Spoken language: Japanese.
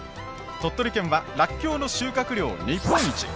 鳥取県はらっきょうの収穫量日本一。